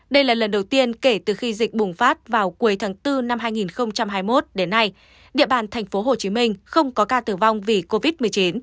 đây là lần đầu tiên kể từ khi dịch bùng phát vào cuối tháng bốn năm hai nghìn hai mươi một đến nay địa bàn tp hcm không có ca tử vong vì covid một mươi chín